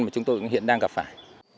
mà chúng tôi hiện đang gặp phải